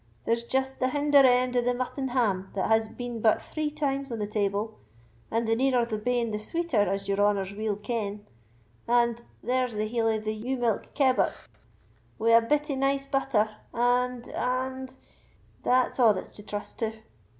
there's just the hinder end of the mutton ham that has been but three times on the table, and the nearer the bane the sweeter, as your honours weel ken; and—there's the heel of the ewe milk kebbuck, wi' a bit of nice butter, and—and—that's a' that's to trust to."